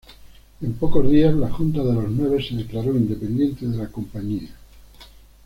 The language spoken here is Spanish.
En pocos días, la Junta de los nueve se declaró independiente de la compañía.